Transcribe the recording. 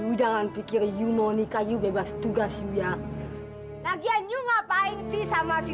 yuk jangan pikir you monika you bebas tugas ya lagi anju ngapain sih sama si